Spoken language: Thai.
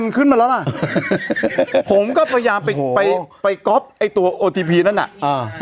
มันขึ้นมาแล้วล่ะผมก็พยายามไปไปไปไปนั่นอ่า